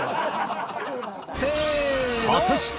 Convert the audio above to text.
［果たして］